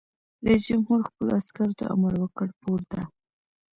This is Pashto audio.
رئیس جمهور خپلو عسکرو ته امر وکړ؛ پورته!